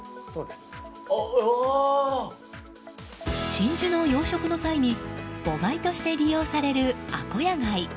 真珠の養殖の際に母貝として利用されるアコヤ貝。